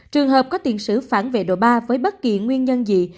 trường hợp có tiền sử phản vệ độ ba với bất kỳ nguyên nhân gì